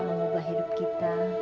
mengubah hidup kita